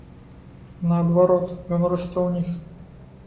Наадварот, ён расце ўніз.